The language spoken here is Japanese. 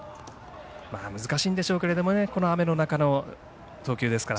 難しいんでしょうけれどもこの雨の中の投球ですから。